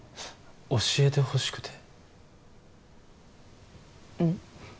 教えてほしくてうん？